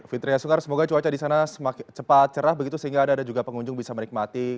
fitriah sungkar semoga cuaca di sana cepat cerah begitu sehingga ada juga pengunjung bisa menikmati